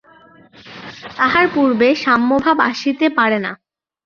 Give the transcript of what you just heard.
তাহার পূর্বে সাম্যভাব আসিতে পারে না।